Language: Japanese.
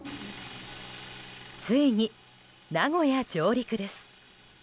ついに名古屋上陸です。